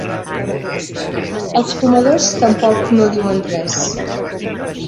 Els fumadors tampoc no diuen res.